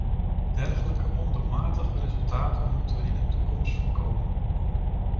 Dergelijke ondoelmatige resultaten moeten we in de toekomst voorkomen.